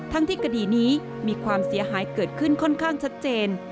ที่คดีนี้มีความเสียหายเกิดขึ้นค่อนข้างชัดเจน